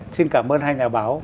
xin cảm ơn hai nhà báo